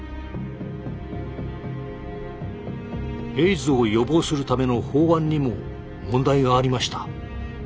エイズを予防するための法案にも問題がありました。